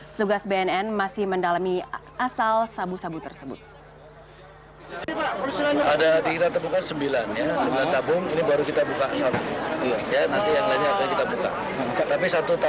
petugas bnn masih mendalami asal sabu sabu tersebut